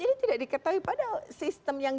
ini tidak diketahui padahal sistem yang